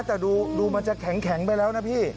แต่ดูมันจะแข็งไปแล้วนะพี่